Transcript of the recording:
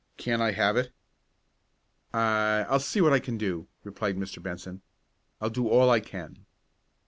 Can't I have it?" "I I'll see what I can do," replied Mr. Benson. "I'll do all I can."